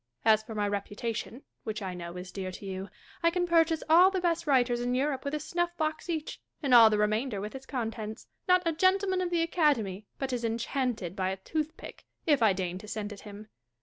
As for my reputation, which I know is dear to you, I can purchase all the best writers in Europe with a snufi" box each, and all the remainder with its contents. Not a gentleman of the Academy but is enchanted by a toothpick, if I deign to send it him.